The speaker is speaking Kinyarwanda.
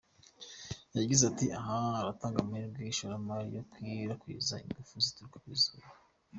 Yagize ati “Aha biratanga amahirwe ku ishoramari ryo gukwirakwiza ingufu zituruka ku zuba.